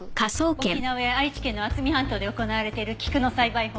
沖縄や愛知県の渥美半島で行われている菊の栽培法。